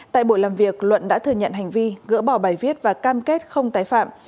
tại buổi làm việc luận đã thừa nhận hành vi gỡ bỏ bài viết và cam kết không tái phạm